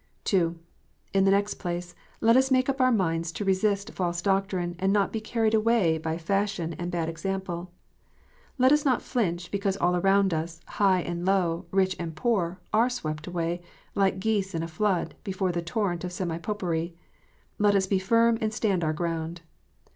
(2) In the next place, let us make up our minds to resist false doctrine, and not to be carried away by fashion and bad example. Let us not flinch because all around us, high and low, rich and poor, are swept away, like geese in a flood, before a torrent of semi Popery. Let us be firm and stand our ground.